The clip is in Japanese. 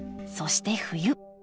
そして冬。